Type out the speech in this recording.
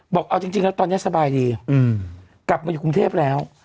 บอกเอาจริงแล้วตอนนี้สบายดีกลับมาอยู่กรุงเทพแล้ว